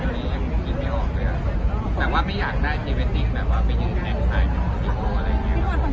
แบบว่าไม่อยากได้ทีเวทติ้งแบบว่าไม่อยากได้แท็กสารอะไรอย่างนี้